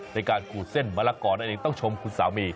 ในการขูดเส้นมะละกอนั่นเองต้องชมคุณสามี